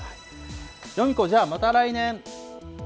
ヨミ子、じゃあまた来年。